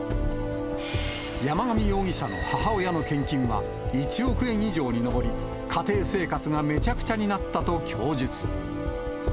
山上容疑者の母親の献金は１億円以上に上り、家庭生活がめちゃくちゃになったと供述。